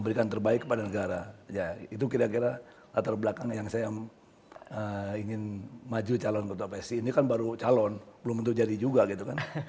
ini kan baru calon belum tentu jadi juga gitu kan